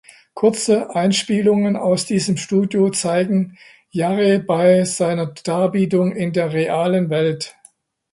Kurze Einspielungen aus diesem Studio zeigen Jarre bei seiner Darbietung in der realen Welt.